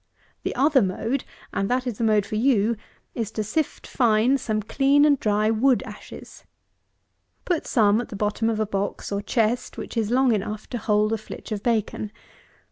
The other mode, and that is the mode for you, is, to sift fine some clean and dry wood ashes. Put some at the bottom of a box, or chest, which is long enough to hold a flitch of bacon.